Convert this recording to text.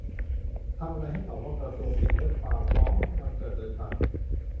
ทำอะไร ให้ตอบว่า "กระทรวงปิดเว็บ" - ความ "อ๋อ" จะบังเกิดโดยพลัน